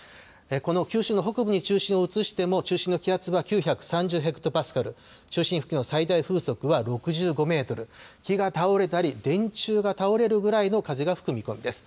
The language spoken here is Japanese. この九州の北部に中心を移しても、中心の気圧は９３０ヘクトパスカル、中心付近の最大風速は６５メートル、木が倒れたり、電柱が倒れるぐらいの風が吹く見込みです。